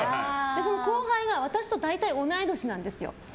その後輩が私と大体同い年なんですよ。